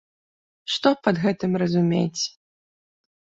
Што пад гэтым разумець?